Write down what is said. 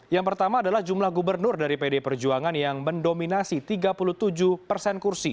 yang pertama adalah jumlah gubernur dari pd perjuangan yang mendominasi tiga puluh tujuh persen kursi